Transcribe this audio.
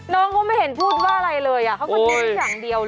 น้องเขาไม่เห็นพูดว่าอะไรเลยเขาก็เต้นอย่างเดียว